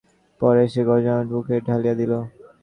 পরে সে গঙ্গাজলটুকু মুখে ঢালিয়া দিল।